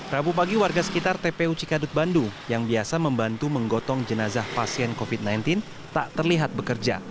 rabu pagi warga sekitar tpu cikadut bandung yang biasa membantu menggotong jenazah pasien covid sembilan belas tak terlihat bekerja